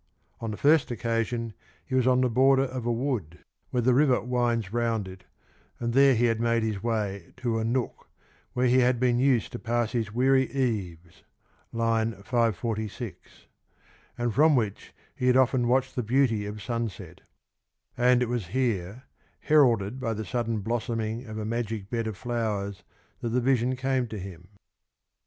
On the first occasion he was on the border of a wood, where the river winds round it, and there he had made his way to a nook, zckcre he had been used to pass his weary cz'cs (546), and from which he had often watched the beauty of sunset; and it was here, heralded by the sudden blossoming of a magic bed of flowers that the vision came to him.